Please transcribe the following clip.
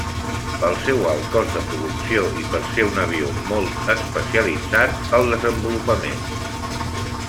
Pel seu alt cost de producció i per ser un avió molt especialitzat al desenvolupament.